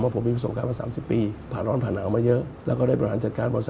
ผมเองกับคุณอุ้งอิ๊งเองเราก็รักกันเหมือนน้อง